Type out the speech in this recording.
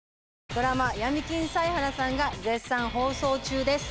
ドラマ「闇金サイハラさん」が絶賛放送中です